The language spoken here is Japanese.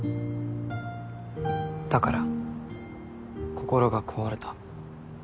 だから心が壊れた。